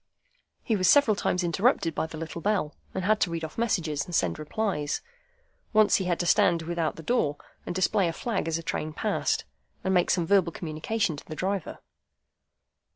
He was several times interrupted by the little bell, and had to read off messages, and send replies. Once he had to stand without the door, and display a flag as a train passed, and make some verbal communication to the driver.